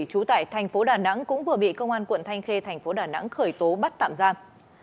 trú tại thành phố đà nẵng cũng vừa bị công an quận thanh khê thành phố đà nẵng khởi tố bắt tạm giam